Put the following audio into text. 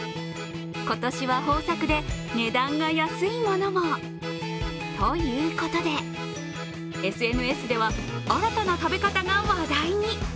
今年は豊作で値段が安いものも。ということで、ＳＮＳでは、新たな食べ方が話題に。